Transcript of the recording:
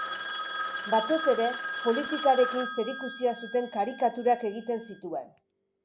Batez ere politikarekin zerikusia zuten karikaturak egiten zituen.